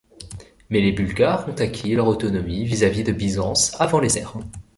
Mais les Bulgares ont acquis leur autonomie vis-à-vis de Byzance avant les Serbes.